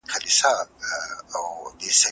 ولې خلګ له اختلاف سره سره یوځای ژوند کوي؟